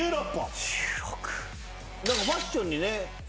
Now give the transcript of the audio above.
ファッションにね。